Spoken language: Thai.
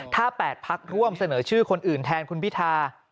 ถ้า๘พักร่วมเสนอชื่อคนอื่นแทนคุณพิธา